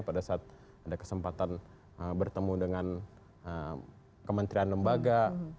pada saat ada kesempatan bertemu dengan kementerian lembaga